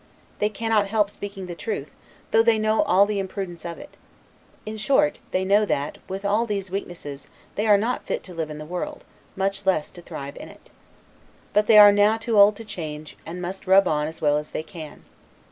They cannot help speaking truth, though they know all the imprudence of it. In short, they know that, with all these weaknesses, they are not fit to live in the world, much less to thrive in it. But they are now too old to change, and must rub on as well as they can.